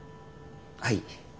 はい。